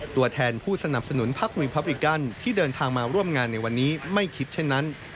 ตัวแทนผู้สนับสนุนพักลุยพับริกันที่เดินทางมาร่วมงานในวันนี้ไม่คิดเช่นนั้น